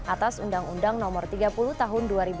atas undang undang nomor tiga puluh tahun dua ribu dua